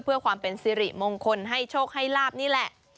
เพื่อความเป็นสิริมงคลให้โชคให้ลาบนี่แหละ